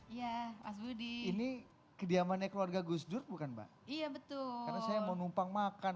iya mas budi ini kediamannya keluarga gus dur bukan mbak iya betul karena saya mau numpang makan